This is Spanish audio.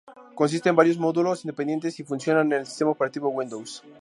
Consiste de varios módulos independientes y funcionan en el sistema operativo Windows.